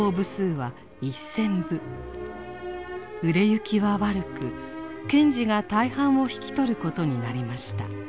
売れ行きは悪く賢治が大半を引き取ることになりました。